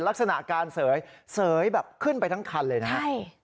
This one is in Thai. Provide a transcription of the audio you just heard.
ลักษณะการเสยเสยแบบขึ้นไปทั้งคันเลยนะครับ